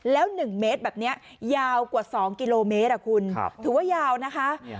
แล้ว๑เมตรแบบนี้ยาวกว่า๒กิโลเมตรคุณถือว่ายาวนะคะ